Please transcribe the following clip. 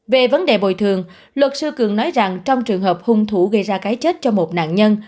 về vấn đề bồi thường luật sư cường nói rằng trong trường hợp hung thủ gây ra cái chết cho một nạn nhân